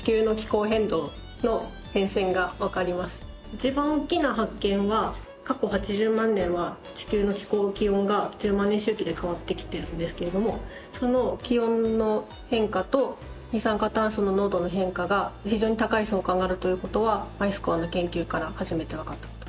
一番大きな発見は過去８０万年は地球の気候・気温が１０万年周期で変わってきてるんですけれどもその気温の変化と二酸化炭素の濃度の変化が非常に高い相関があるという事はアイスコアの研究から初めてわかった事です。